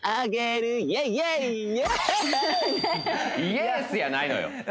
「イェス！」やないのよ